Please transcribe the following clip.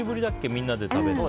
みんなで食べるの。